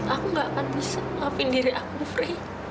aku gak akan bisa maafin diri aku free